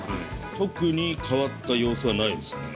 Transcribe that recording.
特に変わった様子はないですね